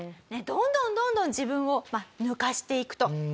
どんどんどんどん自分を抜かしていくと。